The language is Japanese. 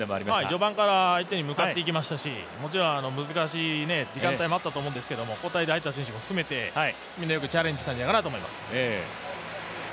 序盤から相手に向かっていきましたし、もちろん難しい時間帯もあったと思うんですけど交代で入った選手も含めてみんなよくチャレンジしたんじゃないかなと思います。